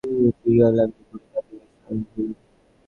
পীড়া বাড়িতে লাগিল, করুণা কাঁদিয়া কাঁদিয়া সারা হইল।